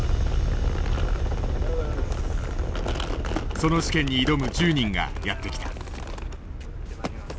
その試験に挑む１０人がやって来た。